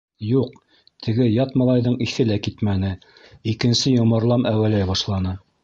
Юҡ, теге ят малайҙың иҫе лә китмәне, икенсе йомарлам әүәләй башланы.